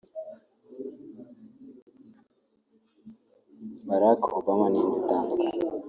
Barack Obama n’indi itandukanye